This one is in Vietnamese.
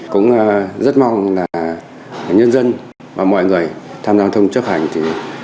cũng rất mong là nhân dân và mọi người tham gia giao thông chấp hành